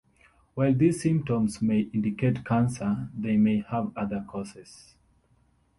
While these symptoms may indicate cancer, they may have other causes.